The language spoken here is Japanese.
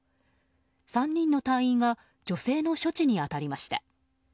３人の隊員が女性の処置に当たりました。